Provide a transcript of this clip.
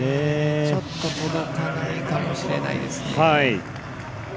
ちょっと届かないかもしれないですね。